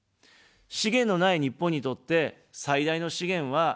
資源のない日本にとって最大の資源は人材です。